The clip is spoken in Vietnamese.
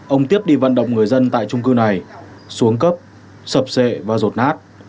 ông tiếp đi vận động người dân tại trung cư này xuống cấp sập sệ và rột nát